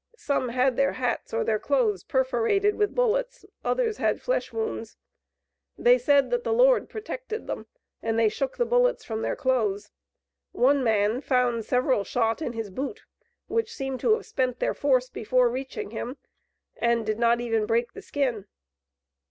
Some had their hats or their clothes perforated with bullets; others had flesh wounds. They said that the Lord protected them, and they shook the bullets from their clothes. One man found several shot in his boot, which seemed to have spent their force before reaching him, and did not even break the skin.